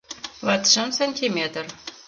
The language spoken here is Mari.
— Латшым сантиметр.